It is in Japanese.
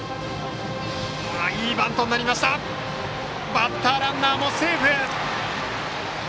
バッターランナーもセーフ！